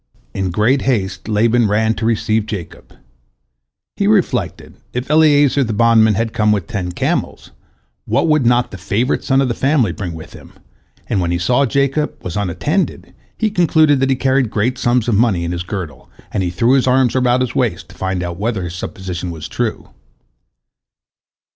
In great haste Laban ran to receive Jacob. He reflected, if Eliezer, the bondman, had come with ten camels, what would not the favorite son of the family bring with him, and when he saw that Jacob was unattended, he concluded that he carried great sums of money in his girdle, and he threw his arms about his waist to find out whether his supposition was true.